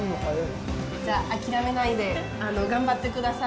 じゃあ、諦めないで頑張ってください。